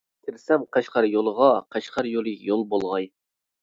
كىرسەم قەشقەر يولىغا، قەشقەر يولى يول بولغاي.